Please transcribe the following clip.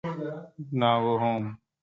Now go home.